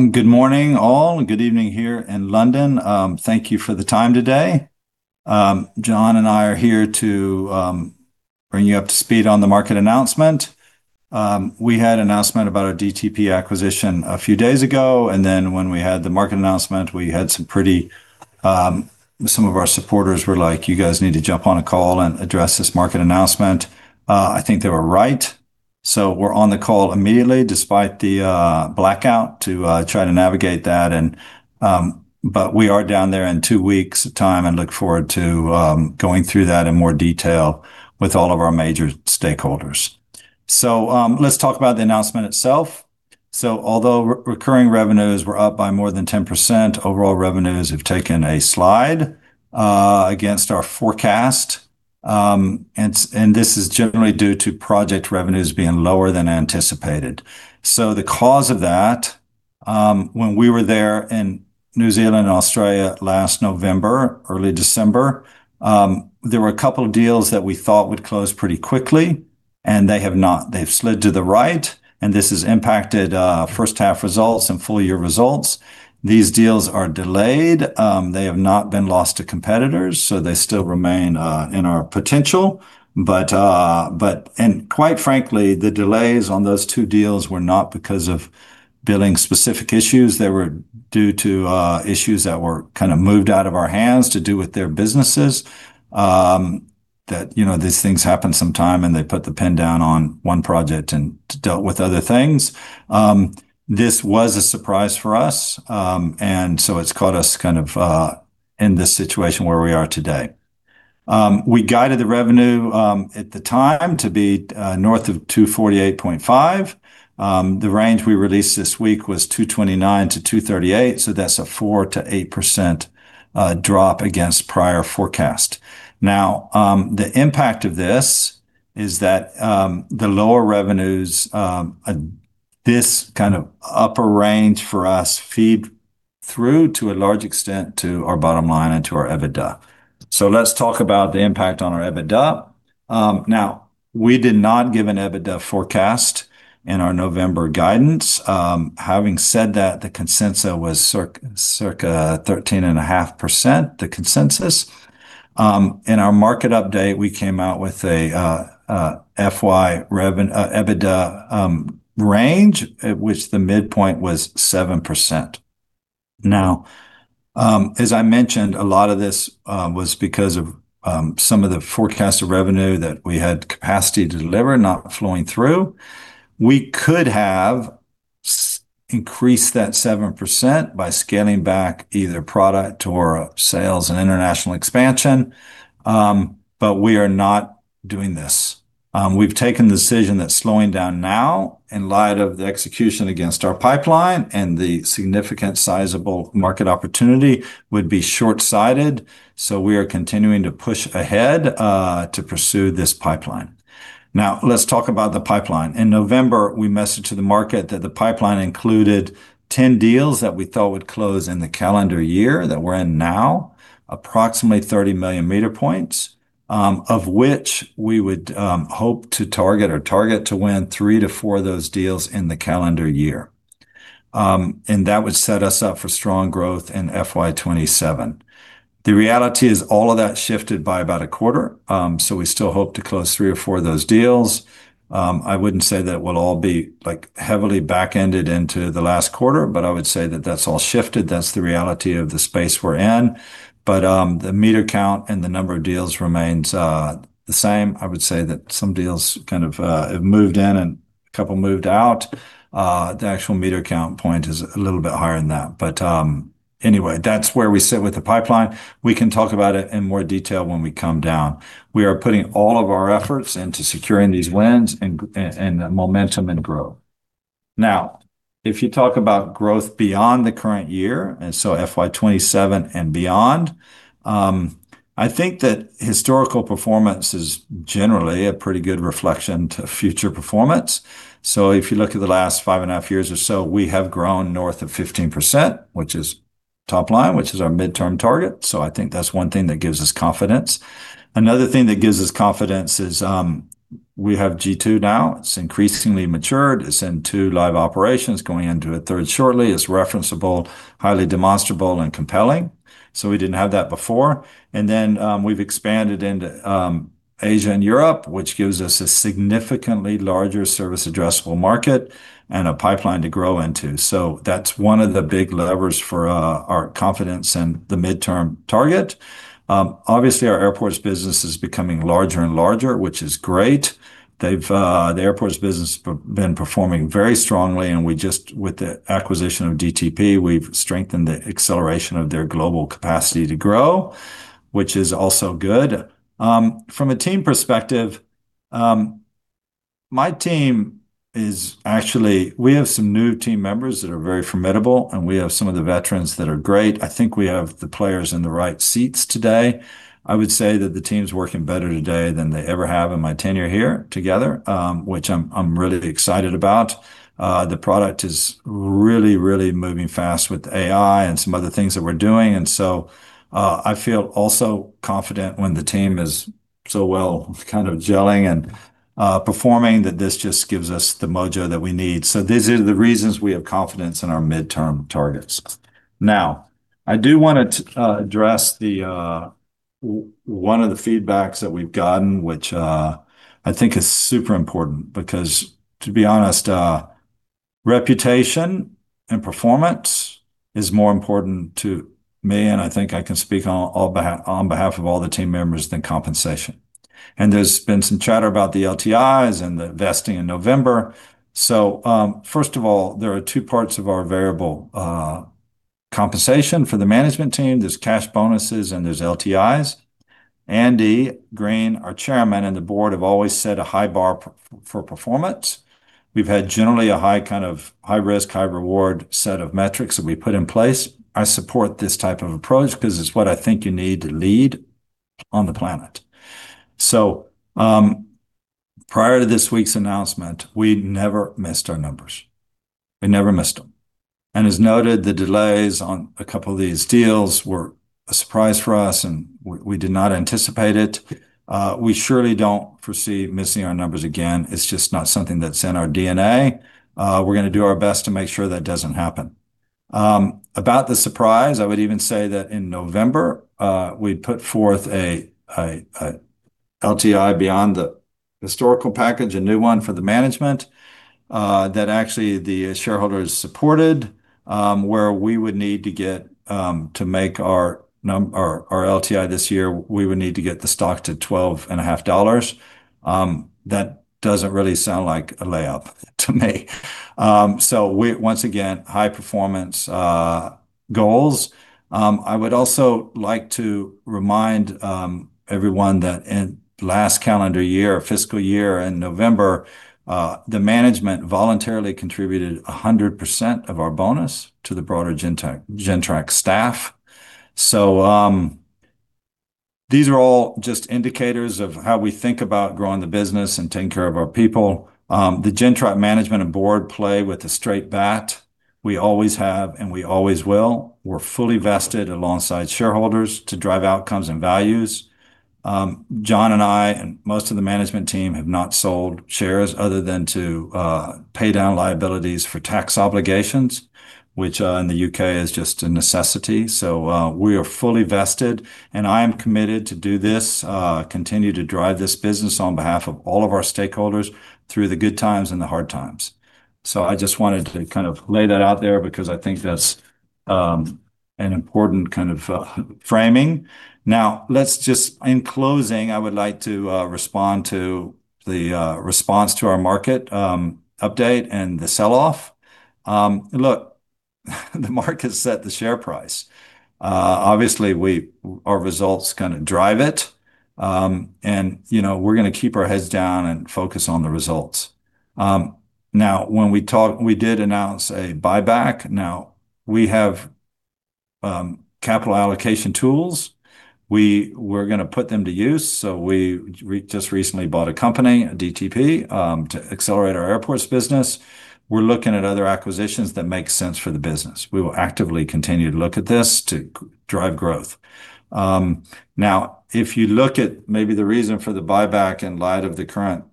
Good morning all, and good evening here in London. Thank you for the time today. John and I are here to bring you up to speed on the market announcement. We had an announcement about our DTP acquisition a few days ago, and then when we had the market announcement, we had some pretty, some of our supporters were like, "You guys need to jump on a call and address this market announcement." I think they were right, so we're on the call immediately despite the blackout to try to navigate that. We are down there in two weeks' time and look forward to going through that in more detail with all of our major stakeholders. Let's talk about the announcement itself. Although re-recurring revenues were up by more than 10%, overall revenues have taken a slide against our forecast. And this is generally due to project revenues being lower than anticipated. The cause of that, when we were there in New Zealand and Australia last November, early December, there were couple deals that we thought would close pretty quickly, and they have not. They've slid to the right, and this has impacted first half results and full year results. These deals are delayed. They have not been lost to competitors, so they still remain in our potential. And quite frankly, the delays on those two deals were not because of billing-specific issues. They were due to kinda issues that were moved out of our hands to do with their businesses. That, you know, these things happen sometime, and they put the pen down on one project and dealt with other things. This was a surprise for us, and so it's caught us kind of in this situation where we are today. We guided the revenue at the time to be north of 248.5. The range we released this week was 229-238, so that's a 4%-8% drop against prior forecast. Now, the impact of this is that the lower revenues, this kind of upper range for us feed through to a large extent to our bottom line and to our EBITDA. Let's talk about the impact on our EBITDA. Now we did not give an EBITDA forecast in our November guidance. Having said that, the consensus was circa 13.5%, the consensus. In our market update, we came out with a FY EBITDA range at which the midpoint was 7%. As I mentioned, a lot of this was because of some of the forecasted revenue that we had capacity to deliver not flowing through. We could have increased that 7% by scaling back either product or our sales and international expansion, but we are not doing this. We've taken the decision that slowing down now in light of the execution against our pipeline and the significant sizable market opportunity would be shortsighted, so we are continuing to push ahead to pursue this pipeline. Let's talk about the pipeline. In November, we messaged to the market that the pipeline included 10 deals that we thought would close in the calendar year that we're in now, approximately 30 million meter points, of which we would hope to target or target to win three to four of those deals in the calendar year. That would set us up for strong growth in FY 2027. The reality is all of that shifted by about a quarter, we still hope to close three or four of those deals. I wouldn't say that would all be, like, heavily back ended into the last quarter, I would say that that's all shifted. That's the reality of the space we're in. The meter count and the number of deals remains the same. I would say that some deals kind of have moved in, and a couple moved out. The actual meter count point is a little bit higher than that. Anyway, that's where we sit with the pipeline. We can talk about it in more detail when we come down. We are putting all of our efforts into securing these wins and momentum and growth. If you talk about growth beyond the current year, FY 2027 and beyond, I think that historical performance is generally a pretty good reflection to future performance. If you look at the last five and a half years or so, we have grown north of 15%, which is top line, which is our midterm target, so I think that's one thing that gives us confidence. Another thing that gives us confidence is, we have g2 now. It's increasingly matured. It's in two live operations, going into a third shortly. It's referenceable, highly demonstrable, and compelling, so we didn't have that before. We've expanded into Asia and Europe, which gives us a significantly larger service addressable market and a pipeline to grow into. That's one of the big levers for our confidence and the midterm target. Obviously, our airports business is becoming larger and larger, which is great. They've been performing very strongly, and we just, with the acquisition of DTP, we've strengthened the acceleration of their global capacity to grow, which is also good. From a team perspective, my team is actually We have some new team members that are very formidable, and we have some of the veterans that are great. I think we have the players in the right seats today. I would say that the team's working better today than they ever have in my tenure here together, which I'm really excited about. The product is really, really moving fast with AI and some other things that we're doing. I feel also confident when the team is so well kind of gelling and performing that this just gives us the mojo that we need. These are the reasons we have confidence in our midterm targets. I do wanna address the one of the feedbacks that we've gotten, which, I think is super important because, to be honest, reputation and performance is more important to me, and I think I can speak on all behalf, on behalf of all the team members, than compensation. There's been some chatter about the LTIs and the vesting in November. First of all, there are two parts of our variable compensation for the management team. There's cash bonuses and there's LTIs. Andy Green, our Chairman, and the board have always set a high bar for performance. We've had generally a high kind of high risk, high reward set of metrics that we put in place. I support this type of approach 'cause it's what I think you need to lead on the planet. Prior to this week's announcement, we never missed our numbers. We never missed them. As noted, the delays on a couple of these deals were a surprise for us, and we did not anticipate it. We surely don't foresee missing our numbers again. It's just not something that's in our DNA. We're gonna do our best to make sure that doesn't happen. About the surprise, I would even say that in November, we'd put forth a LTI beyond the historical package, a new one for the management, that actually the shareholders supported, where we would need to get to make our LTI this year, we would need to get the stock to 12.5 dollars. That doesn't really sound like a layup to me. Once again, high performance goals. I would also like to remind everyone that in last calendar year, fiscal year, in November, the management voluntarily contributed 100% of our bonus to the broader Gentrack staff. These are all just indicators of how we think about growing the business and taking care of our people. The Gentrack management and board play with a straight bat. We always have, and we always will. We're fully vested alongside shareholders to drive outcomes and values. John and I and most of the management team have not sold shares other than to pay down liabilities for tax obligations, which in the U.K. is just a necessity. We are fully vested, and I am committed to do this, continue to drive this business on behalf of all of our stakeholders through the good times and the hard times. I just wanted to kind of lay that out there because I think that's an important kind of framing. Now in closing, I would like to respond to the response to our market update and the sell-off. Look, the market set the share price. Obviously our result's going to drive it, and, you know, we are going to keep our heads down and focus on the results. Now when we did announce a buyback. Now we have capital allocation tools. We are going to put them to use, so we just recently bought a company, a DTP, to accelerate our airports business. We're looking at other acquisitions that make sense for the business. We will actively continue to look at this to drive growth. Now if you look at maybe the reason for the buyback in light of the current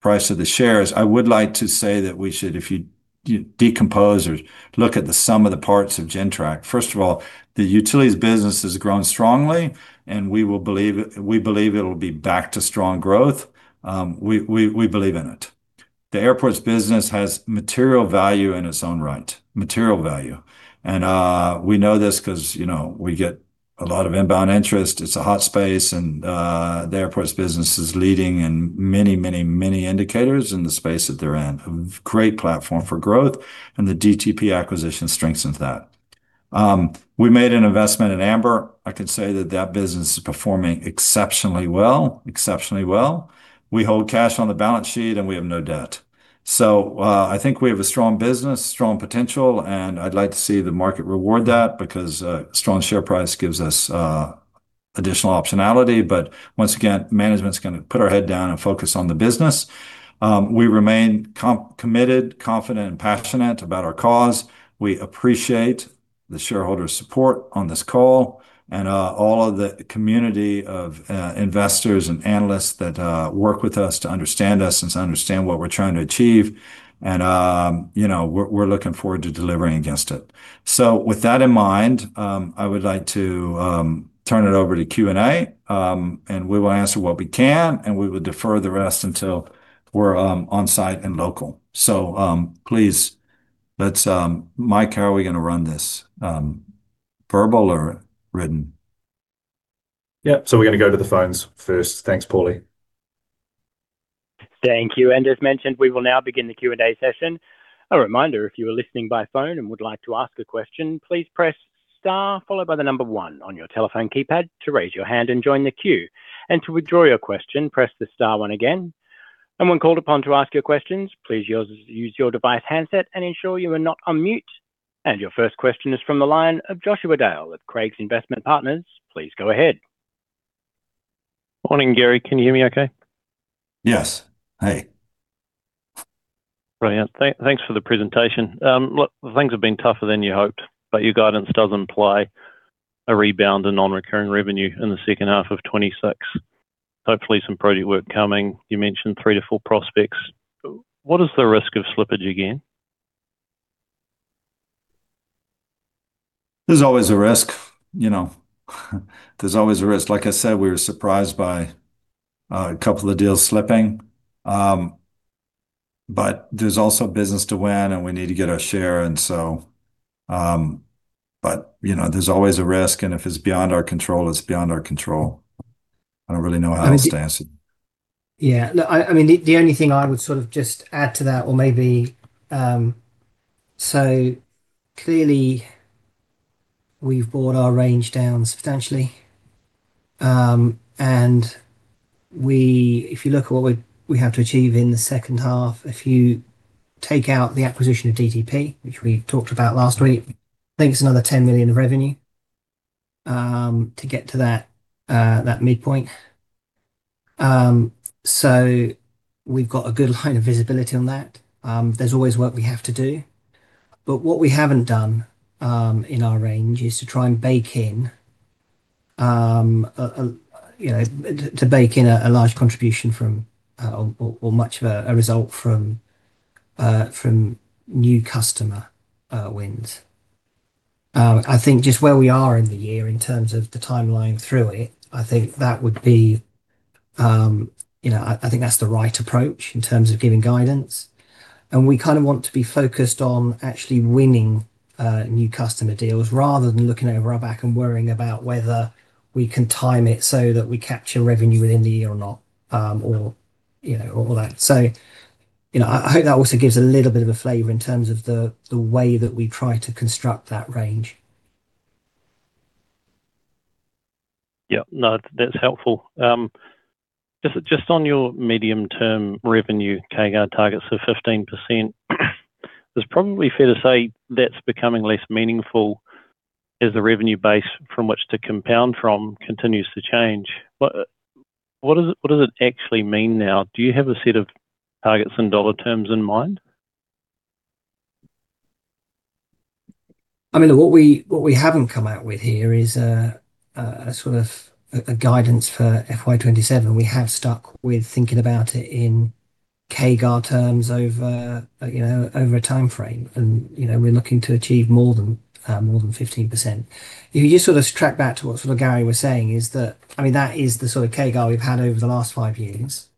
price of the shares, I would like to say that we should, if you decompose or look at the sum of the parts of Gentrack, first of all, the utilities business has grown strongly, and we believe it'll be back to strong growth. We believe in it. The airports business has material value in its own right, material value. We know this 'cause, you know, we get a lot of inbound interest. It's a hot space, and the airports business is leading in many, many, many indicators in the space that they're in. A great platform for growth. The DTP acquisition strengthens that. We made an investment in Amber Electric. I can say that that business is performing exceptionally well. We hold cash on the balance sheet, and we have no debt. I think we have a strong business, strong potential, and I'd like to see the market reward that because a strong share price gives us additional optionality. Once again, management's gonna put our head down and focus on the business. We remain committed, confident, and passionate about our cause. We appreciate the shareholders' support on this call and all of the community of investors and analysts that work with us to understand us and to understand what we're trying to achieve. You know, we're looking forward to delivering against it. With that in mind, I would like to turn it over to Q&A. We will answer what we can, and we will defer the rest until we're on-site and local. Please let's Mike, how are we gonna run this, verbal or written? Yeah. We're going to go to the phones first. Thanks, Paulie. Thank you. As mentioned, we will now begin the Q&A session. Your first question is from the line of Joshua Dale of Craigs Investment Partners. Please go ahead. Morning, Gary. Can you hear me okay? Yes. Hey. Brilliant. Thanks for the presentation. Look, things have been tougher than you hoped, but your guidance does imply a rebound in non-recurring revenue in the second half of 2026. Hopefully, some project work coming. You mentioned three to four prospects. What is the risk of slippage again? There's always a risk, you know? There's always a risk. Like I said, we were surprised by a couple of deals slipping. There's also business to win, and we need to get our share. You know, there's always a risk, and if it's beyond our control, it's beyond our control. I don't really know how else to answer. Yeah. Look, I mean, the only thing I would sort of just add to that or maybe. Clearly we've brought our range down substantially. If you look at what we have to achieve in the second half, if you take out the acquisition of DTP, which we talked about last week, I think it's another 10 million of revenue, to get to that midpoint. We've got a good line of visibility on that. There's always work we have to do. What we haven't done, in our range is to try and bake in, a, you know, to bake in a large contribution from, or much of a result from new customer wins. I think just where we are in the year in terms of the timeline through it, I think that would be, you know, I think that's the right approach in terms of giving guidance. We kind of want to be focused on actually winning new customer deals rather than looking over our back and worrying about whether we can time it so that we capture revenue within the year or not, or, you know, all that. You know, I hope that also gives a little bit of a flavor in terms of the way that we try to construct that range. Yeah. No, that's helpful. Just on your medium-term revenue, CAGR targets of 15%, it's probably fair to say that's becoming less meaningful as the revenue base from which to compound from continues to change. What does it actually mean now? Do you have a set of targets in dollar terms in mind? I mean, look, what we haven't come out with here is a sort of a guidance for FY 2027. We have stuck with thinking about it in CAGR terms over, you know, over a timeframe. You know, we're looking to achieve more than 15%. If you just sort of track back to what sort of Gary was saying, is that, I mean, that is the sort of CAGR we've had over the last five years.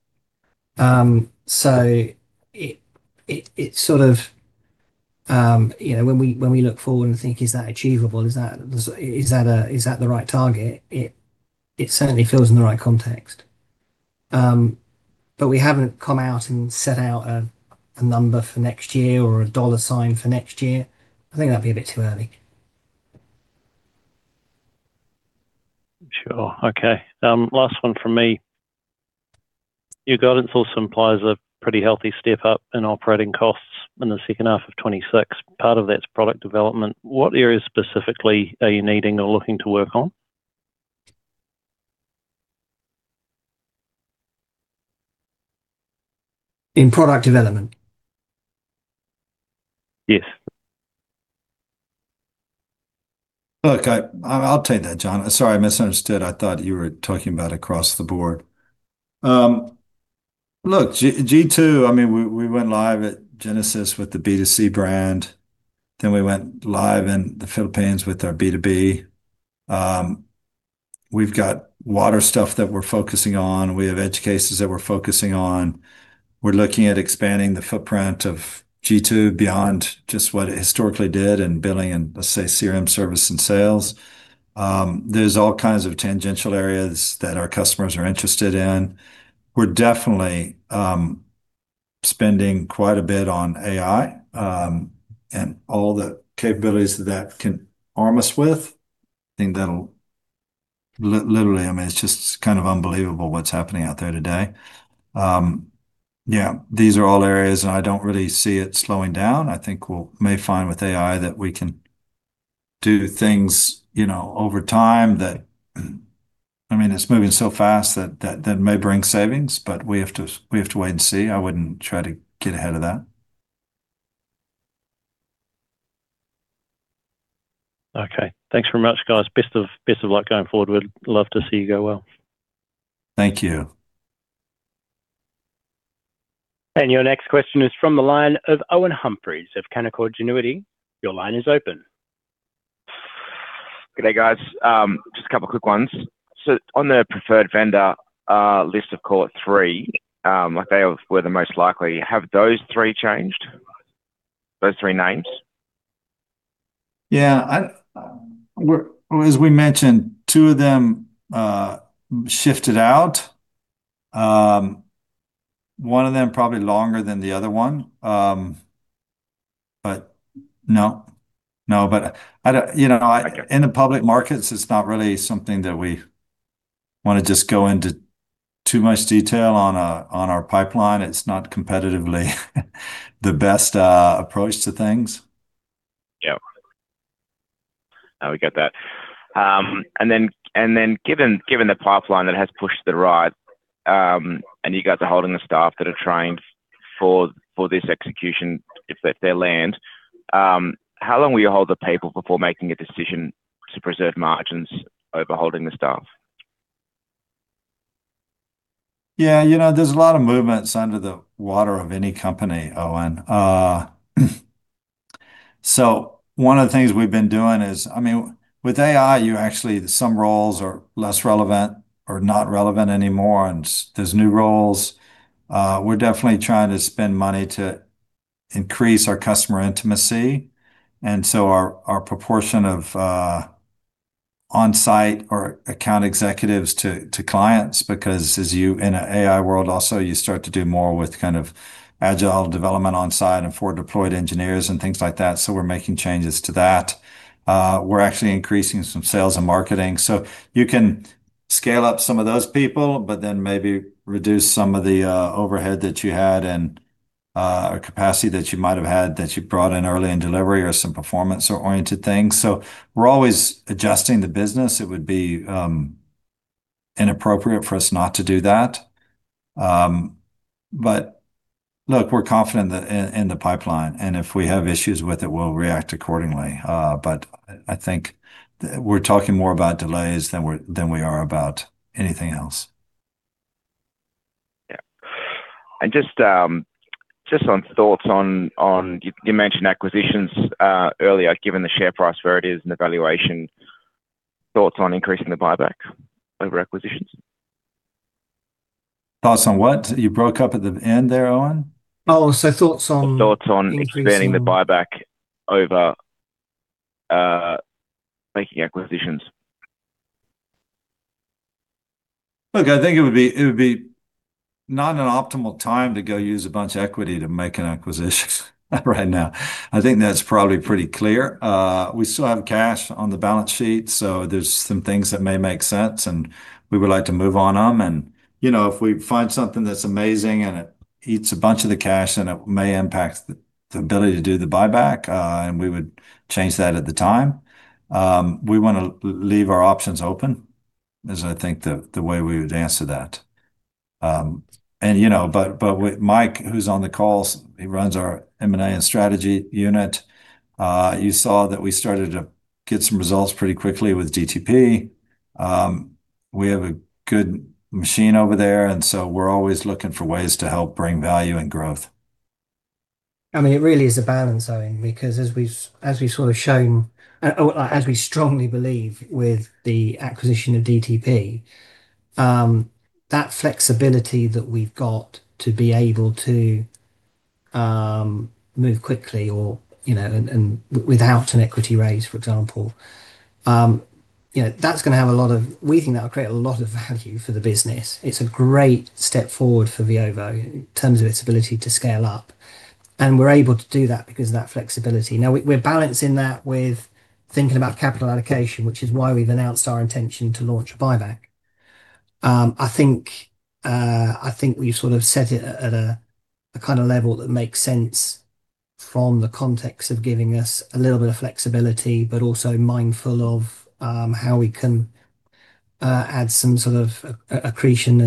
It sort of, you know, when we look forward and think, "Is that achievable? Is that a, is that the right target?" It certainly feels in the right context. We haven't come out and set out a number for next year or a dollar sign for next year. I think that'd be a bit too early. Sure. Okay. Last one from me. Your guidance also implies a pretty healthy step up in operating costs in the second half of 2026. Part of that's product development. What areas specifically are you needing or looking to work on? In product development? Yes. Look, I'll take that, John. Sorry, I misunderstood. I thought you were talking about across the board. Look, g2, I mean, we went live at Genesis with the B2C brand, then we went live in the Philippines with our B2B. We've got water stuff that we're focusing on. We have edge cases that we're focusing on. We're looking at expanding the footprint of g2 beyond just what it historically did in billing and, let's say, CRM service and sales. There's all kinds of tangential areas that our customers are interested in. We're definitely spending quite a bit on AI and all the capabilities that that can arm us with. I think that'll literally, I mean, it's just kind of unbelievable what's happening out there today. Yeah, these are all areas. I don't really see it slowing down. I think we may find with AI that we can do things, you know, over time that I mean, it's moving so fast that may bring savings. We have to wait and see. I wouldn't try to get ahead of that. Okay. Thanks very much, guys. Best of luck going forward. We'd love to see you go well. Thank you. Your next question is from the line of Owen Humphries of Canaccord Genuity. Your line is open. G'day, guys. Just a couple quick ones. On the preferred vendor list of core three, like they were the most likely. Have those three changed, those three names? Yeah. I, as we mentioned, two of them shifted out. One of them probably longer than the other one. No. No. I don't, you know, I in the public markets, it's not really something that we wanna just go into too much detail on our pipeline. It's not competitively the best approach to things. Yeah. Oh, we get that. Then given the pipeline that has pushed the ride, and you guys are holding the staff that are trained for this execution if they land, how long will you hold the people before making a decision to preserve margins over holding the staff? Yeah, you know, there's a lot of movements under the water of any company, Owen. One of the things we've been doing is I mean, with AI, you actually some roles are less relevant or not relevant anymore, and there's new roles. We're definitely trying to spend money to increase our customer intimacy, and so our proportion of on-site or account executives to clients because as you in a AI world also, you start to do more with kind of agile development on-site and forward deployed engineers and things like that. We're making changes to that. We're actually increasing some sales and marketing. You can scale up some of those people, but then maybe reduce some of the overhead that you had and or capacity that you might have had that you brought in early in delivery or some performance or oriented things. We're always adjusting the business. It would be inappropriate for us not to do that. But look, we're confident that in the pipeline, and if we have issues with it, we'll react accordingly. But I think we're talking more about delays than we are about anything else. Yeah. Just on thoughts on you mentioned acquisitions earlier, given the share price where it is and the valuation, thoughts on increasing the buyback over acquisitions? Thoughts on what? You broke up at the end there, Owen. Thoughts on- Thoughts on expanding. increasing- the buyback over, making acquisitions. Look, I think it would be not an optimal time to go use a bunch of equity to make an acquisition right now. I think that's probably pretty clear. We still have cash on the balance sheet, so there's some things that may make sense, and we would like to move on them. You know, if we find something that's amazing and it eats a bunch of the cash and it may impact the ability to do the buyback, and we would change that at the time. We wanna leave our options open is I think the way we would answer that. You know, but with Mike, who's on the calls, he runs our M&A and strategy unit. You saw that we started to get some results pretty quickly with DTP. We have a good machine over there, and so we're always looking for ways to help bring value and growth. I mean, it really is a balance, Owen, because as we've sort of shown, or as we strongly believe with the acquisition of DTP, that flexibility that we've got to be able to move quickly or, you know, and without an equity raise, for example. You know, we think that'll create a lot of value for the business. It's a great step forward for Veovo in terms of its ability to scale up, and we're able to do that because of that flexibility. We're balancing that with thinking about capital allocation, which is why we've announced our intention to launch a buyback. I think we've sort of set it at a kind of level that makes sense from the context of giving us a little bit of flexibility, but also mindful of how we can add some sort of accretion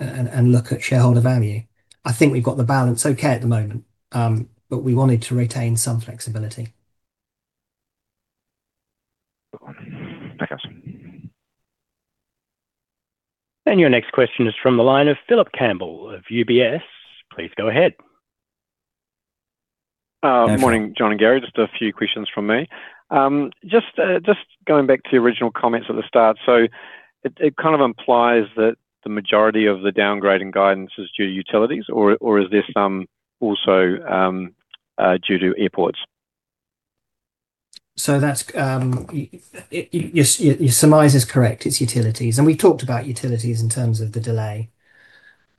and look at shareholder value. I think we've got the balance okay at the moment, but we wanted to retain some flexibility. Okay. Your next question is from the line of Phil Campbell of UBS. Please go ahead. Morning, John and Gary. Just a few questions from me. Just going back to your original comments at the start. It kind of implies that the majority of the downgrading guidance is due to utilities or is this also due to airports? That's your surmise is correct, it's utilities. We talked about utilities in terms of the delay,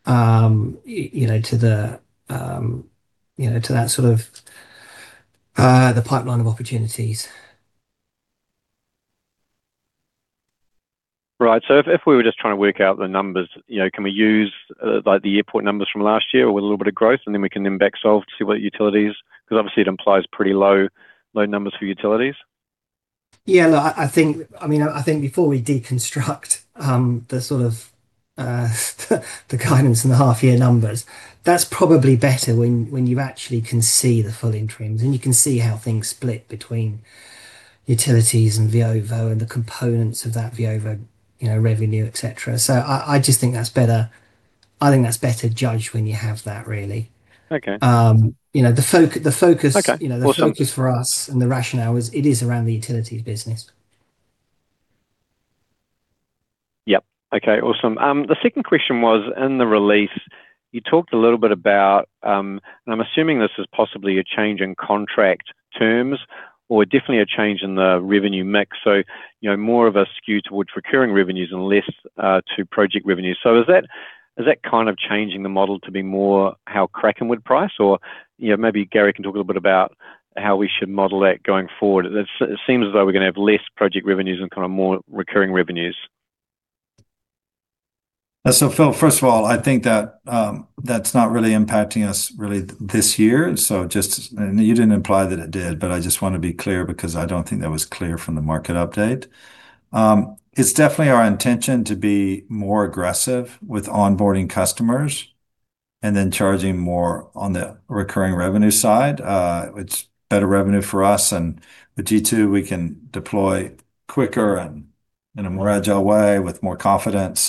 you know, to the You know, to that sort of, the pipeline of opportunities. Right. If we were just trying to work out the numbers, you know, can we use, like the airport numbers from last year with a little bit of growth, and then we can then back solve to see what utilities? 'Cause obviously it implies pretty low numbers for utilities. I think I mean, I think before we deconstruct, the sort of, the guidance and the half year numbers, that is probably better when you actually can see the full interims, and you can see how things split between utilities and Veovo and the components of that Veovo, you know, revenue, et cetera. I just think that is better judged when you have that, really. Okay. Um, you know, the foc- the focus- Okay. Well, thank you you know, the focus for us and the rationale is it is around the utilities business. Yep. Okay, awesome. The second question was, in the release, you talked a little bit about, I'm assuming this is possibly a change in contract terms or definitely a change in the revenue mix. You know, more of a skew towards recurring revenues and less to project revenues. Is that, is that kind of changing the model to be more how Kraken would price? You know, maybe Gary can talk a little bit about how we should model that going forward. It seems as though we're gonna have less project revenues and kind of more recurring revenues. Phil, first of all, I think that's not really impacting us really this year, just you didn't imply that it did, but I just want to be clear because I don't think that was clear from the market update. It's definitely our intention to be more aggressive with onboarding customers and then charging more on the recurring revenue side. It's better revenue for us, and with g2 we can deploy quicker and in a more agile way with more confidence.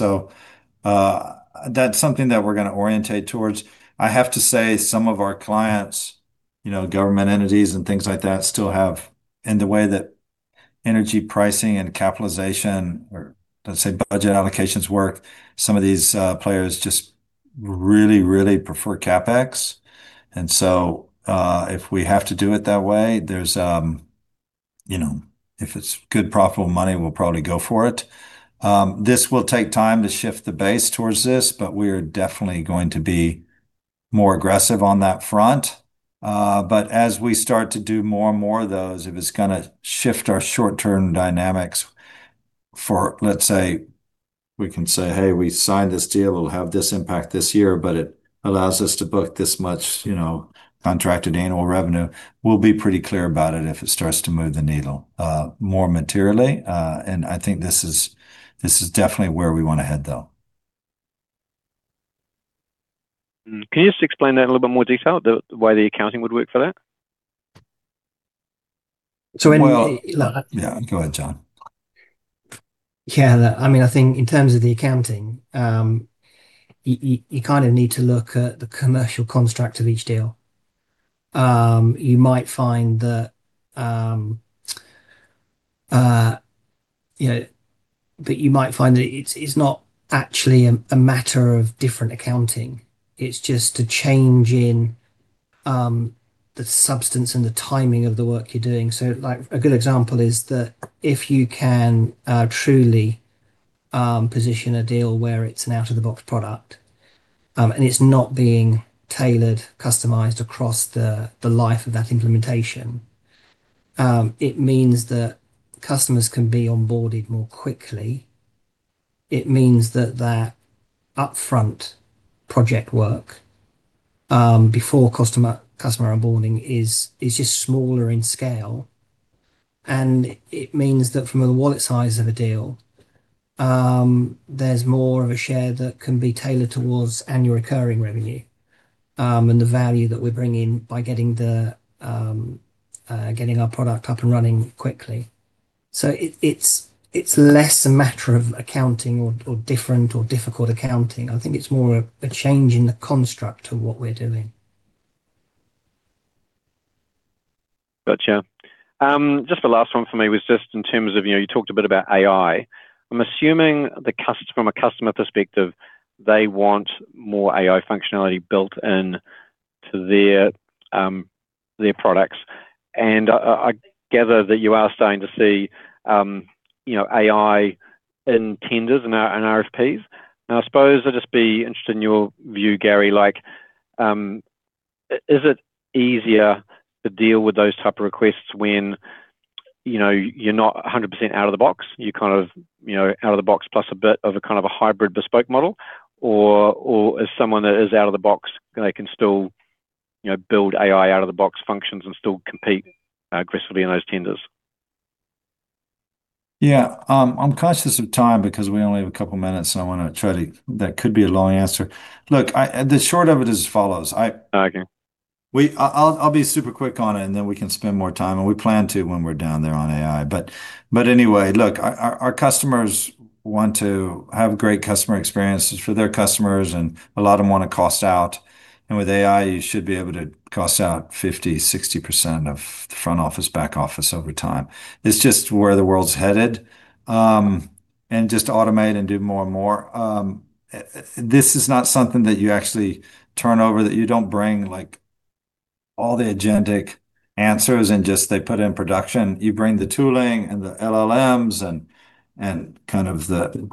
That's something that we're gonna orientate towards. I have to say some of our clients, you know, government entities and things like that still have, in the way that energy pricing and capitalization or, let's say, budget allocations work, some of these players just really prefer CapEx. You know, if it's good profitable money, we'll probably go for it. This will take time to shift the base towards this, but we're definitely going to be more aggressive on that front. As we start to do more and more of those, if it's gonna shift our short-term dynamics for, let's say, we can say, "Hey, we signed this deal, it'll have this impact this year, but it allows us to book this much, you know, contracted annual revenue," we'll be pretty clear about it if it starts to move the needle more materially. I think this is definitely where we wanna head, though. Can you just explain that in a little bit more detail, why the accounting would work for that? So in- Well, look. Yeah, go ahead, John. Yeah, look, I mean, I think in terms of the accounting, you kind of need to look at the commercial construct of each deal. You might find that, you know, it's not actually a matter of different accounting. It's just a change in the substance and the timing of the work you're doing. Like, a good example is that if you can truly position a deal where it's an out-of-the-box product, and it's not being tailored, customized across the life of that implementation, it means that customers can be onboarded more quickly. It means that their upfront project work, before customer onboarding is just smaller in scale. It means that from the wallet size of a deal, there's more of a share that can be tailored towards annual recurring revenue, and the value that we bring in by getting the getting our product up and running quickly. It's less a matter of accounting or different or difficult accounting. I think it's more a change in the construct of what we're doing. Gotcha. Just the last one for me was just in terms of, you know, you talked a bit about AI. I'm assuming from a customer perspective, they want more AI functionality built in to their products. I gather that you are starting to see, you know, AI in tenders and RFPs, and I suppose I'd just be interested in your view, Gary. Like, is it easier to deal with those type of requests when, you know, you're not 100% out of the box? You're kind of, you know, out of the box plus a bit of a kind of a hybrid bespoke model? Or as someone that is out of the box, they can still, you know, build AI out of the box functions and still compete aggressively in those tenders? Yeah. I'm conscious of time because we only have a couple of minutes. That could be a long answer. Look, the short of it is as follows. Okay. I'll be super quick on it. We can spend more time, and we plan to when we're down there on AI. Our customers want to have great customer experiences for their customers, and a lot of them want to cost out. With AI, you should be able to cost out 50%, 60% of the front office, back office over time. It's just where the world's headed, just automate and do more and more. This is not something that you actually turn over, that you don't bring all the agentic answers and just they put in production. You bring the tooling and the LLMs and kind of the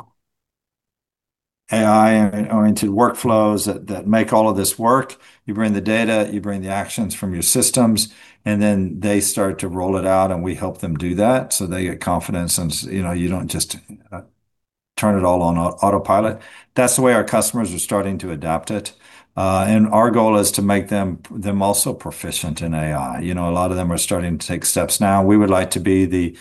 AI-oriented workflows that make all of this work. You bring the data, you bring the actions from your systems, and then they start to roll it out, and we help them do that. They get confidence and you know, you don't just turn it all on autopilot. That's the way our customers are starting to adapt it. Our goal is to make them also proficient in AI. You know, a lot of them are starting to take steps now, we would like to be the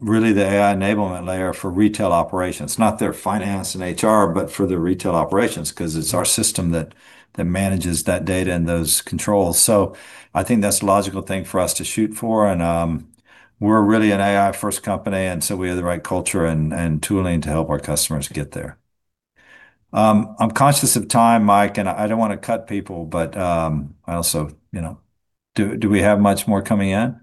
really the AI enablement layer for retail operations. Not their finance and HR, but for the retail operations, 'cause it's our system that manages that data and those controls. I think that's the logical thing for us to shoot for, and we're really an AI-first company, we have the right culture and tooling to help our customers get there. I'm conscious of time, Mike, and I don't want to cut people, but I also, you know, do we have much more coming in?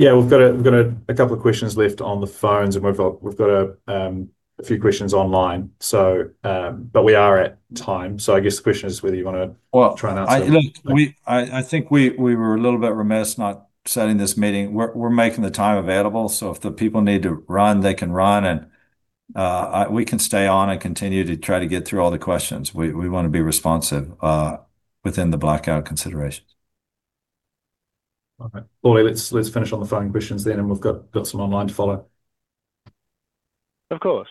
Yeah. We've got a couple of questions left on the phones, and we've got a few questions online. We are at time, so I guess the question is whether you want to. Well- try and answer- I think we were a little bit remiss not setting this meeting. We're making the time available, so if the people need to run, they can run and we can stay on and continue to try to get through all the questions. We wanna be responsive within the blackout considerations. Okay, Paulie, let's finish all the phone questions then, and we've got some online to follow. Of course.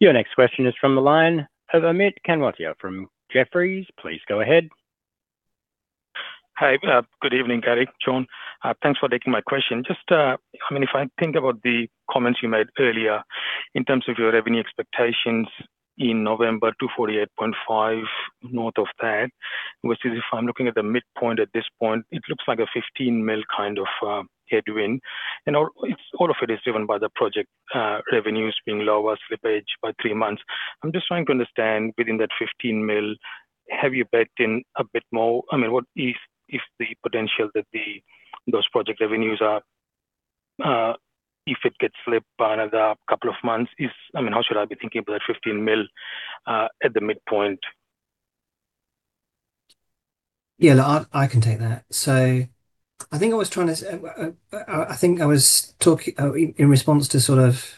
Your next question is from the line of Amit Kanwatia from Jefferies. Please go ahead. Hey. Good evening, Gary, John. Thanks for taking my question. I mean, if I think about the comments you made earlier in terms of your revenue expectations in November to 48.5, north of that, which is if I'm looking at the midpoint at this point, it looks like a 15 million kind of headwind. If all of it is driven by the project revenues being lower, slippage by three months. I'm just trying to understand within that 15 million, have you baked in a bit more? I mean, what is the potential that those project revenues are, if it gets slipped by another a couple of months? I mean, how should I be thinking about that 15 million at the midpoint? Yeah, look, I can take that. I think I was talking in response to sort of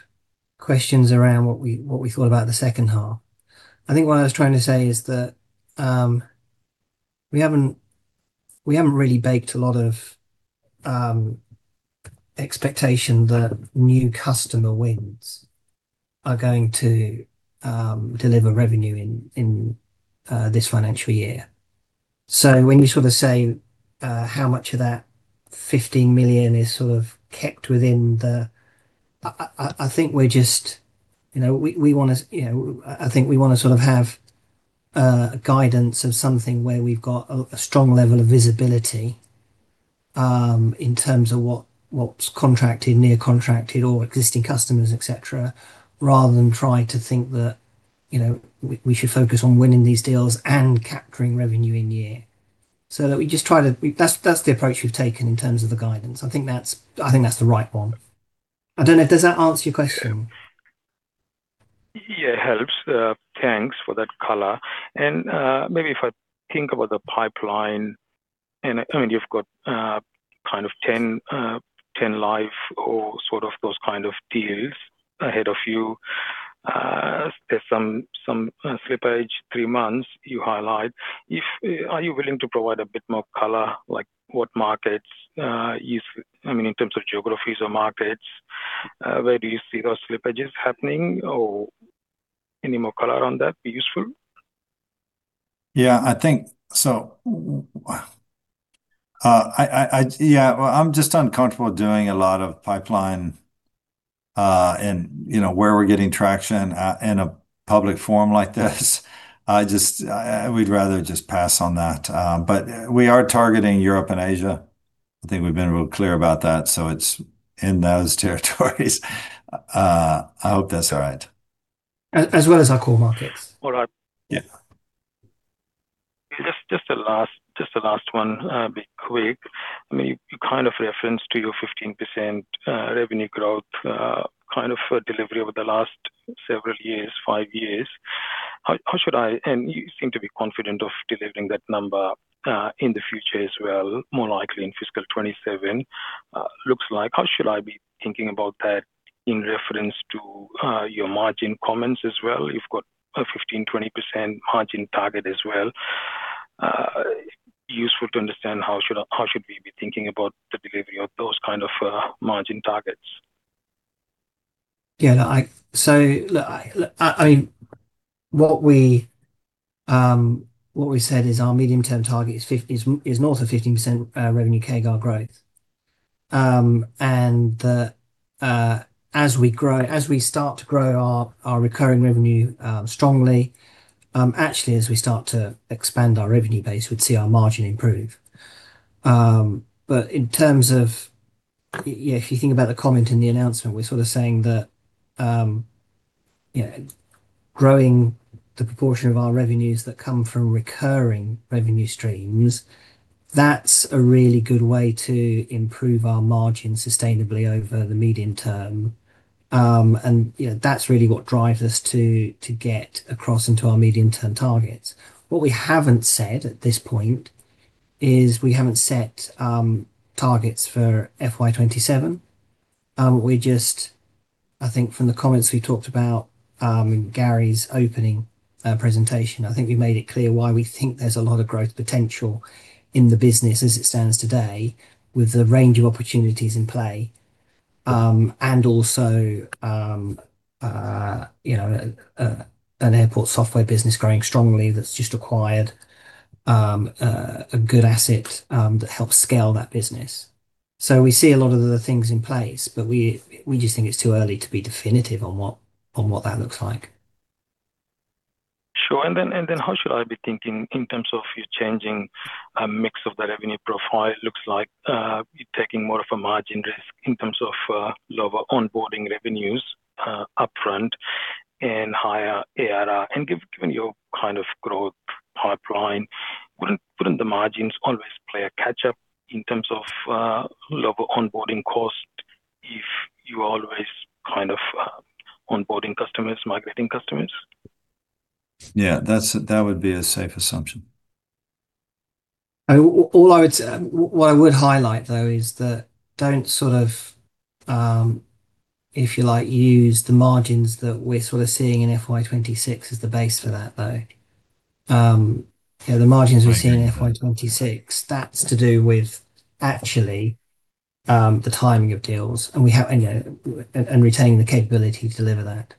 questions around what we thought about the second half. I think what I was trying to say is that we haven't really baked a lot of expectation that new customer wins are going to deliver revenue in this financial year. When you sort of say, how much of that 15 million is sort of kept within the, I think we're just, you know, we wanna, you know, I think we wanna sort of have guidance of something where we've got a strong level of visibility in terms of what's contracted, near contracted or existing customers, et cetera, rather than try to think that, you know, we should focus on winning these deals and capturing revenue in year. That's the approach we've taken in terms of the guidance. I think that's the right one. I don't know. Does that answer your question? Yeah, it helps. Thanks for that color. Maybe if I think about the pipeline, you've got kind of 10 live or sort of those kind of deals ahead of you. There's some slippage, three months you highlight. Are you willing to provide a bit more color, like what markets, in terms of geographies or markets, where do you see those slippages happening? Any more color on that be useful? Yeah, I think so. Yeah. Well, I'm just uncomfortable doing a lot of pipeline, and you know, where we're getting traction, in a public forum like this. I just, we'd rather just pass on that. We are targeting Europe and Asia. I think we've been really clear about that, it's in those territories. I hope that's all right. As well as our core markets. All right. Yeah. Just the last one. Be quick. You referenced your 15% revenue growth delivery over the last several years, five years. You seem to be confident of delivering that number in the future as well, more likely in fiscal 2027, looks like. How should I be thinking about that in reference to your margin comments as well? You've got a 15%-20% margin target as well. Useful to understand how should we be thinking about the delivery of those margin targets. Yeah. I mean, what we said is our medium-term target is north of 15% revenue CAGR growth. That, as we start to grow our recurring revenue strongly, actually, as we start to expand our revenue base, we'd see our margin improve. In terms of, if you think about the comment in the announcement, we're sort of saying that, you know, growing the proportion of our revenues that come from recurring revenue streams, that's a really good way to improve our margin sustainably over the medium term. You know, that's really what drives us to get across into our medium-term targets. What we haven't said at this point is we haven't set targets for FY 2027. I think from the comments we talked about in Gary's opening presentation, I think we made it clear why we think there's a lot of growth potential in the business as it stands today with the range of opportunities in play. Also, you know, an airport software business growing strongly that's just acquired a good asset that helps scale that business. We see a lot of the things in place, but we just think it's too early to be definitive on what that looks like. Sure. How should I be thinking in terms of you changing a mix of the revenue profile? It looks like you're taking more of a margin risk in terms of lower onboarding revenues upfront and higher ARR. Given your kind of growth pipeline, wouldn't the margins always play a catch-up in terms of lower onboarding cost if you're always kind of onboarding customers, migrating customers? Yeah. That would be a safe assumption. What I would highlight though is that don't sort of, if you like, use the margins that we're sort of seeing in FY 2026 as the base for that, though. Yeah, the margins we see in FY 2026, that's to do with actually, the timing of deals, and, you know, and retaining the capability to deliver that.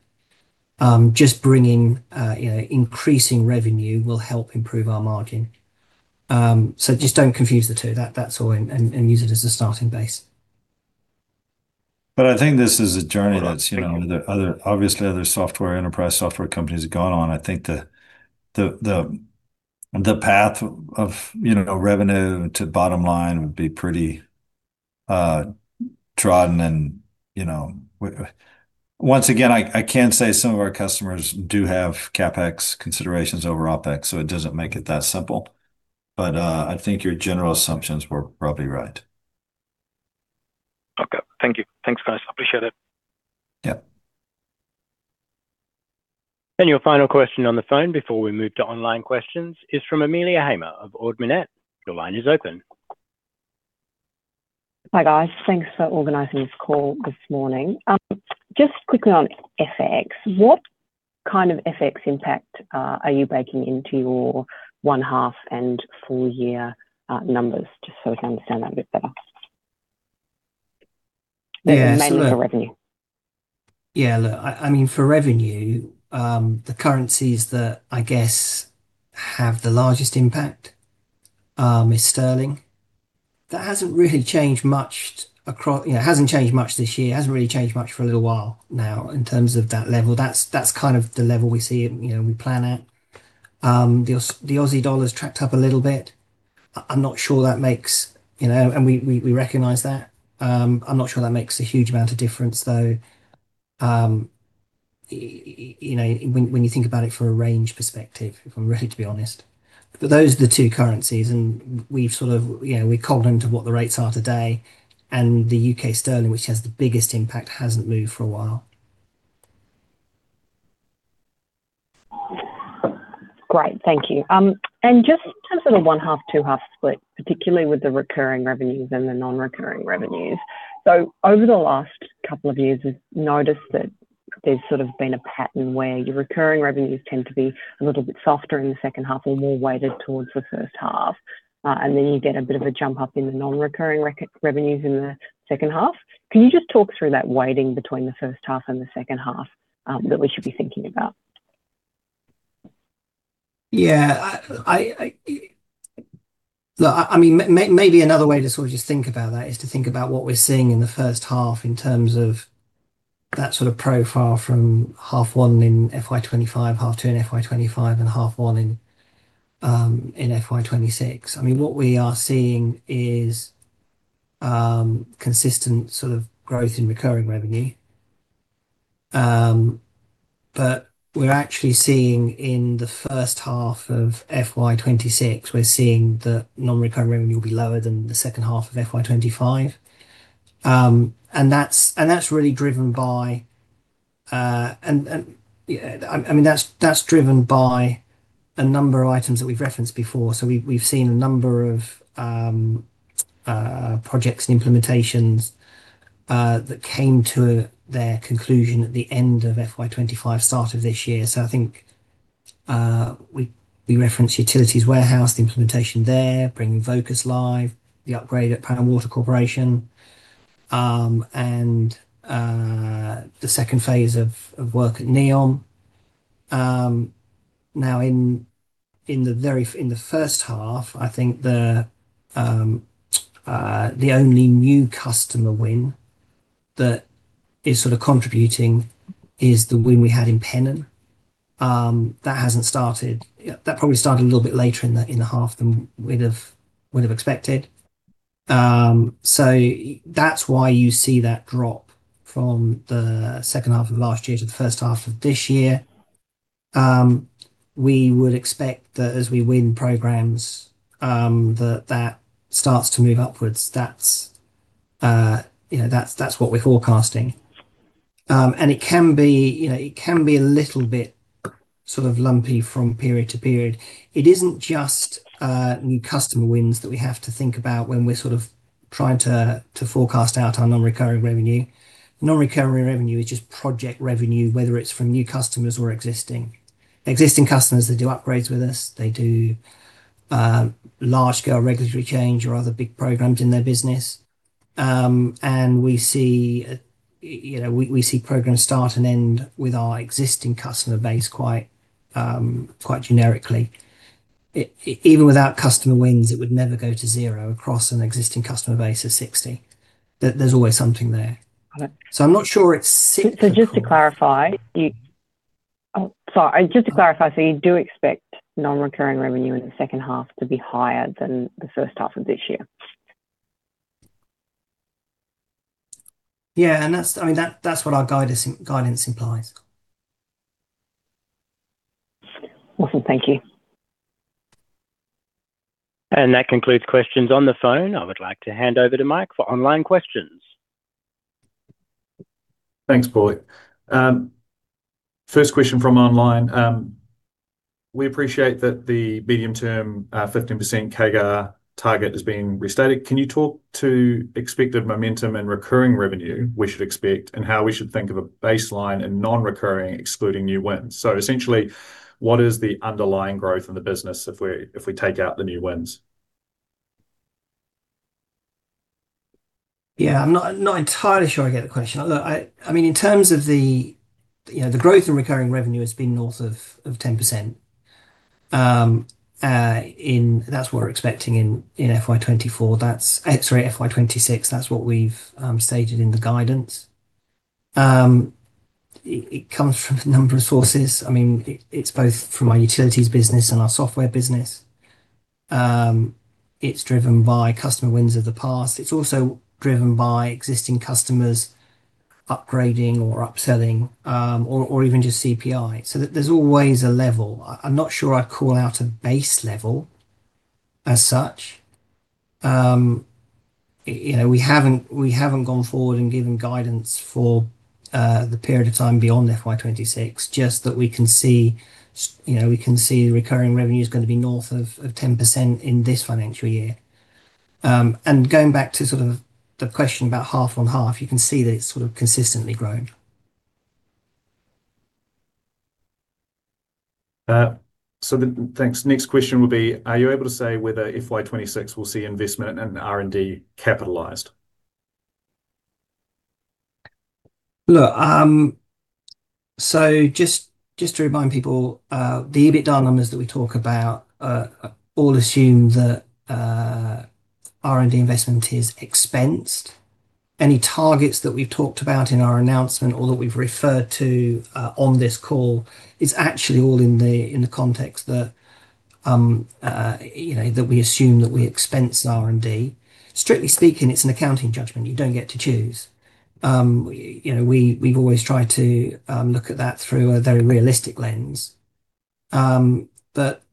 Just bringing, you know, increasing revenue will help improve our margin. Just don't confuse the two, that's all, and use it as a starting base. I think this is a journey that, you know, other software, enterprise software companies have gone on. I think the path of, you know, revenue to bottom line would be pretty trodden and, you know. Once again, I can say some of our customers do have CapEx considerations over OpEx, so it doesn't make it that simple. I think your general assumptions were probably right. Okay. Thank you. Thanks, guys. I appreciate it. Yeah. Your final question on the phone before we move to online questions is from Amelia Hamer of Ord Minnett. Your line is open. Hi, guys. Thanks for organizing this call this morning. Just quickly on FX. What kind of FX impact are you breaking into your one-half and full-year numbers, just so we can understand that a bit better? Yeah. Mainly for revenue. I mean, for revenue, the currencies that I guess have the largest impact is sterling. That hasn't really changed much, you know, hasn't changed much this year. It hasn't really changed much for a little while now in terms of that level. That's kind of the level we see and, you know, we plan at. The Aussie dollar's tracked up a little bit. I'm not sure that makes, you know, and we recognize that. I'm not sure that makes a huge amount of difference though, you know, when you think about it from a range perspective, if I'm really, to be honest. Those are the two currencies, and we've sort of, you know, we've called into what the rates are today. The U.K. sterling, which has the biggest impact, hasn't moved for a while. Great. Thank you. Just in terms of the one-half, two-half split, particularly with the recurring revenues and the non-recurring revenues. Over the last couple of years, we've noticed that there's sort of been a pattern where your recurring revenues tend to be a little bit softer in the second half or more weighted towards the first half, and then you get a bit of a jump up in the non-recurring revenues in the second half. Can you just talk through that weighting between the first half and the second half that we should be thinking about? Yeah. I Look, I mean, maybe another way to sort of just think about that is to think about what we're seeing in the first half in terms of that sort of profile from half one in FY 2025, half two in FY 2025, and half one in FY 2026. I mean, what we are seeing is consistent sort of growth in recurring revenue. We're actually seeing in the first half of FY 2026, we're seeing the non-recurring revenue will be lower than the second half of FY 2025. Yeah, I mean, that's driven by a number of items that we've referenced before. We've seen a number of projects and implementations that came to their conclusion at the end of FY 2025, start of this year. I think we referenced the Utility Warehouse, the implementation there, bringing Vocus live, the upgrade at Power and Water Corporation, and the second phase of work at NEOM. Now in the very first half, I think the only new customer win that is sort of contributing is the win we had in Pennon. That hasn't started. That probably started a little bit later in the half than we'd have expected. That's why you see that drop from the second half of last year to the first half of this year. We would expect that as we win programs, that starts to move upwards. That's, you know, that's what we're forecasting. It can be, you know, it can be a little bit sort of lumpy from period to period. It isn't just new customer wins that we have to think about when we're sort of trying to forecast out our non-recurring revenue. Non-recurring revenue is just project revenue, whether it's from new customers or existing. Existing customers that do upgrades with us, they do large scale regulatory change or other big programs in their business. We see, you know, we see programs start and end with our existing customer base quite generically. Even without customer wins, it would never go to zero across an existing customer base of 60. There's always something there. Got it. I'm not sure it's significant. Just to clarify, Oh, sorry. Just to clarify, you do expect non-recurring revenue in the second half to be higher than the first half of this year? Yeah. That's, I mean, that's what our guidance implies. Awesome. Thank you. That concludes questions on the phone. I would like to hand over to Mike for online questions. Thanks, Paulie. First question from online. We appreciate that the medium-term, 15% CAGR target has been restated. Can you talk to expected momentum and recurring revenue we should expect, and how we should think of a baseline in non-recurring excluding new wins? Essentially, what is the underlying growth in the business if we take out the new wins? Yeah, I'm not entirely sure I get the question. Look, I mean, in terms of the, you know, the growth in recurring revenue has been north of 10%. That's what we're expecting in FY 2026. That's what we've stated in the guidance. It comes from a number of sources. I mean, it's both from our utilities business and our software business. It's driven by customer wins of the past. It's also driven by existing customers upgrading or upselling, or even just CPI. There's always a level. I'm not sure I'd call out a base level as such. You know, we haven't gone forward and given guidance for the period of time beyond FY 2026. Just that we can see you know, we can see the recurring revenue's gonna be north of 10% in this financial year. Going back to sort of the question about half on half, you can see that it's sort of consistently grown. Thanks. Next question would be, are you able to say whether FY 2026 will see investment and R&D capitalized? Look, just to remind people, the EBITDA numbers that we talk about, all assume that R&D investment is expensed. Any targets that we've talked about in our announcement or that we've referred to on this call is actually all in the context that, you know, that we assume that we expense R&D. Strictly speaking, it's an accounting judgment, you don't get to choose. You know, we've always tried to look at that through a very realistic lens.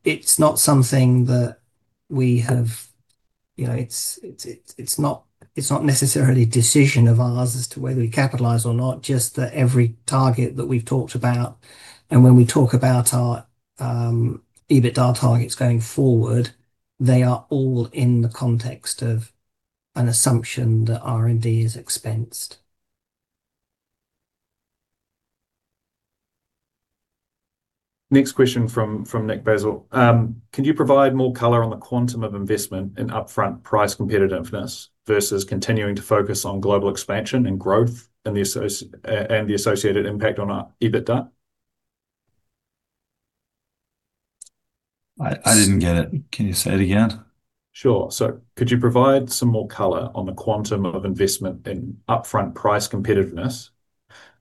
It's not something that we have, it's not necessarily a decision of ours as to whether we capitalize or not, just that every target that we've talked about and when we talk about our EBITDA targets going forward, they are all in the context of an assumption that R&D is expensed. Next question from Nick Basile. Can you provide more color on the quantum of investment in upfront price competitiveness versus continuing to focus on global expansion and growth and the associated impact on our EBITDA? I didn't get it. Can you say it again? Sure. Could you provide some more color on the quantum of investment in upfront price competitiveness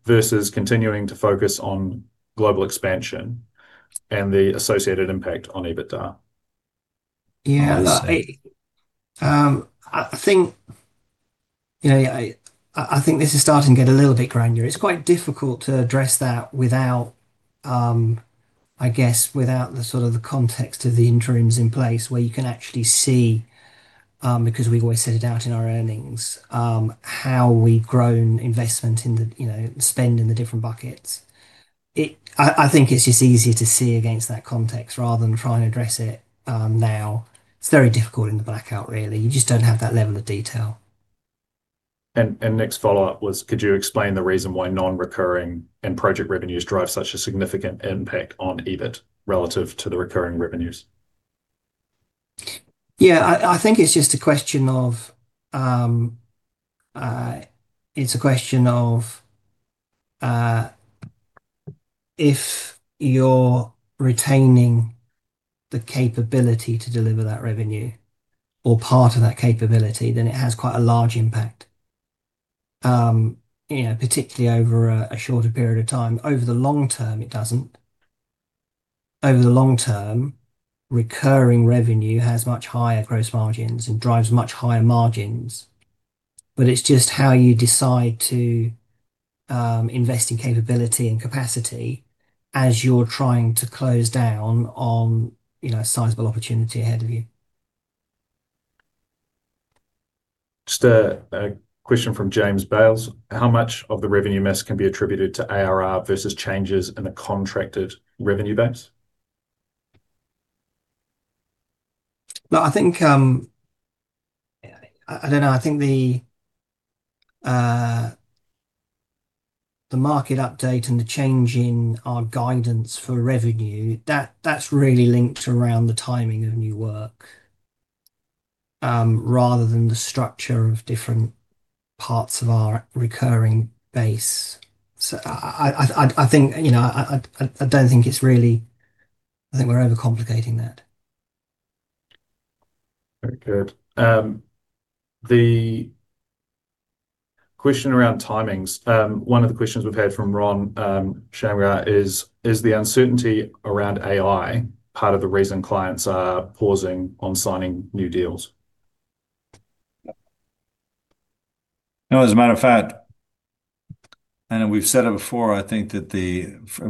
versus continuing to focus on global expansion and the associated impact on EBITDA? Yeah. I understand. I think, you know, yeah, I think this is starting to get a little bit granular. It's quite difficult to address that without, I guess, without the sort of the context of the interims in place where you can actually see, because we've always set it out in our earnings, how we've grown investment in the, you know, spend in the different buckets. I think it's just easier to see against that context rather than try and address it, now. It's very difficult in the blackout really. You just don't have that level of detail. Nick's follow-up was, could you explain the reason why non-recurring and project revenues drive such a significant impact on EBIT relative to the recurring revenues? Yeah. I think it's just a question of, it's a question of, if you're retaining the capability to deliver that revenue or part of that capability, then it has quite a large impact. You know, particularly over a shorter period of time. Over the long term, it doesn't. Over the long term, recurring revenue has much higher gross margins and drives much higher margins, but it's just how you decide to, invest in capability and capacity as you're trying to close down on, you know, a sizable opportunity ahead of you. Just a question from James Bales. How much of the revenue miss can be attributed to ARR versus changes in the contracted revenue base? Look, I think, I don't know. I think the market update and the change in our guidance for revenue, that's really linked around the timing of new work, rather than the structure of different parts of our recurring base. I think, you know, I don't think it's really I think we're overcomplicating that. Very good. The question around timings, one of the questions we've had from Ron Shamgar is the uncertainty around AI part of the reason clients are pausing on signing new deals? No. As a matter of fact, we've said it before, I think that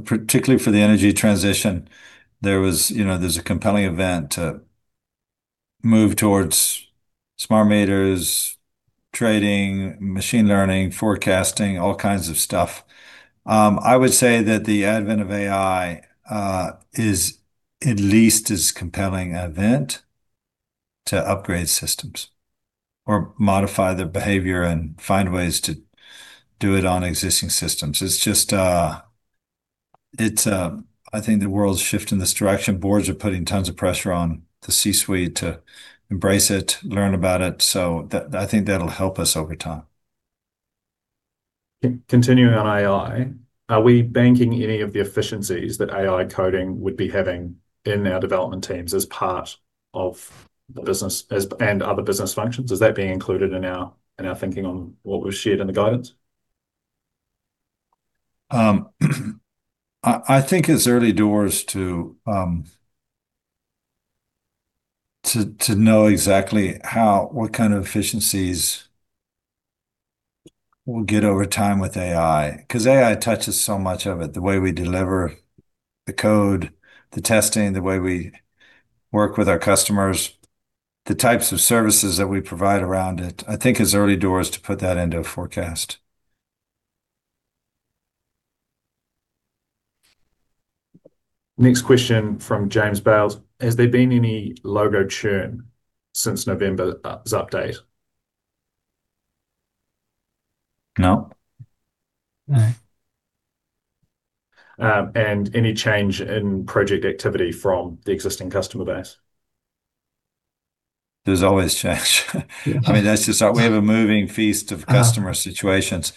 particularly for the energy transition, there was, you know, there's a compelling event to move towards smart meters, trading, machine learning, forecasting, all kinds of stuff. I would say that the advent of AI is at least as compelling event to upgrade systems or modify their behavior and find ways to do it on existing systems. It's just, I think the world's shifting this direction. Boards are putting tons of pressure on the C-suite to embrace it, learn about it. I think that'll help us over time. Continuing on AI, are we banking any of the efficiencies that AI coding would be having in our development teams as part of the business and other business functions? Is that being included in our thinking on what was shared in the guidance? I think it's early doors to know exactly how, what kind of efficiencies we'll get over time with AI. 'Cause AI touches so much of it, the way we deliver the code, the testing, the way we work with our customers, the types of services that we provide around it. I think it's early doors to put that into a forecast. Next question from James Bales, has there been any logo churn since November's update? No. No. Any change in project activity from the existing customer base? There's always change. I mean, we have a moving feast of customer situations.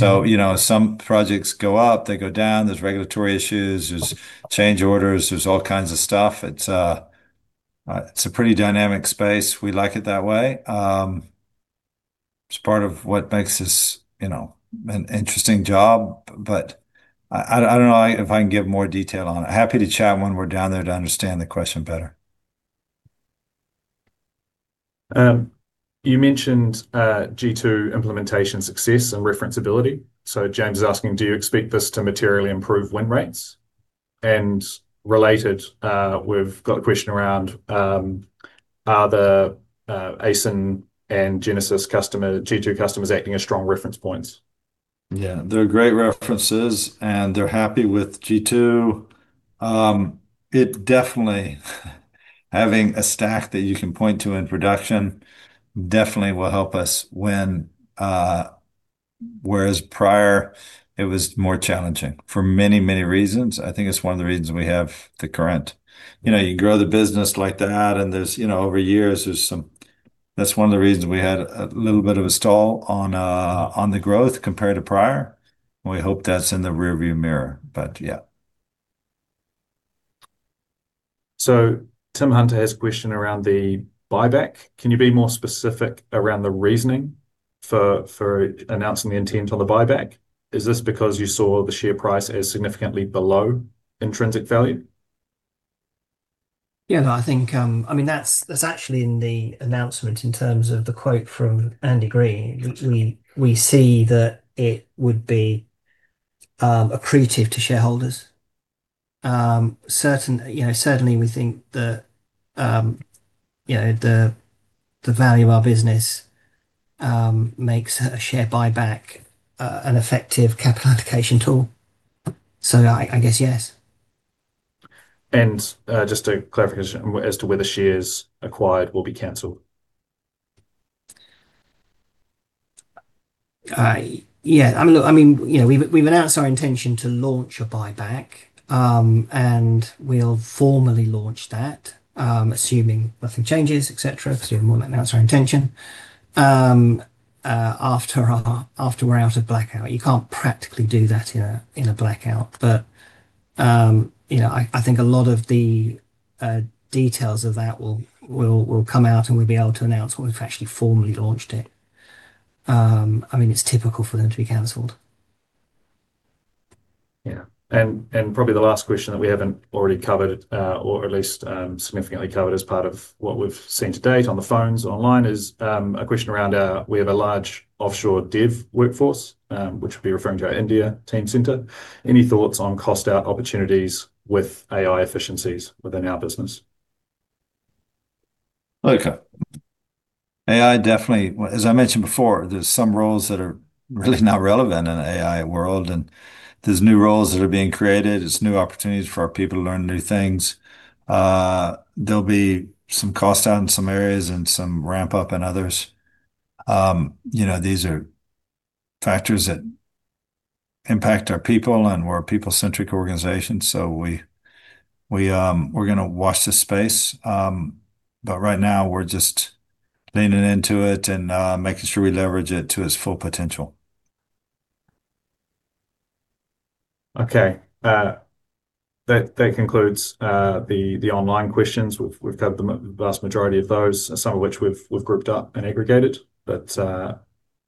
You know, some projects go up, they go down. There is regulatory issues, there is change orders, there is all kinds of stuff. It is a pretty dynamic space. We like it that way. It is part of what makes this, you know, an interesting job. I don't know if I can give more detail on it. Happy to chat when we are down there to understand the question better. You mentioned g2 implementation success and reference ability. James is asking, do you expect this to materially improve win rates? Related, we've got a question around, are the ACEN and Genesis customer, g2 customers acting as strong reference points? Yeah. They're great references, and they're happy with g2. Having a stack that you can point to in production definitely will help us when, whereas prior it was more challenging for many, many reasons. I think it's one of the reasons we have the current. You know, you grow the business like that, and there's, you know, over years That's one of the reasons we had a little bit of a stall on the growth compared to prior, and we hope that's in the rear view mirror. Yeah. Tim Hunter has a question around the buyback. Can you be more specific around the reasoning for announcing the intent on the buyback? Is this because you saw the share price as significantly below intrinsic value? Yeah, no, I think, I mean that's actually in the announcement in terms of the quote from Andy Green. We see that it would be accretive to shareholders. You know, certainly we think that, you know, the value of our business makes a share buyback an effective capital allocation tool. I guess yes. Just to clarify, as to whether shares acquired will be canceled. Yeah. I mean, look, I mean, you know, we've announced our intention to launch a buyback. And we'll formally launch that, assuming nothing changes, et cetera. Because we haven't formally announced our intention. After we're out of blackout. You can't practically do that in a, in a blackout. You know, I think a lot of the details of that will come out, and we'll be able to announce when we've actually formally launched it. I mean, it's typical for them to be canceled. Yeah. Probably the last question that we haven't already covered, or at least significantly covered as part of what we've seen to date on the phones or online is a question around our, we have a large offshore dev workforce, which would be referring to our India team center. Any thoughts on cost out opportunities with AI efficiencies within our business? Okay. AI definitely, well, as I mentioned before, there's some roles that are really not relevant in an AI world, and there's new roles that are being created. It's new opportunities for our people to learn new things. There'll be some cost out in some areas and some ramp-up in others. You know, these are factors that impact our people, and we're a people-centric organization, so we're gonna watch this space. Right now we're just leaning into it and making sure we leverage it to its full potential. Okay. That concludes the online questions. We've covered the vast majority of those, some of which we've grouped up and aggregated.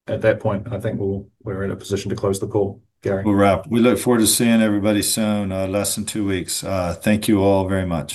At that point, I think we're in a position to close the call, Gary. We'll wrap. We look forward to seeing everybody soon, less than two weeks. Thank you all very much.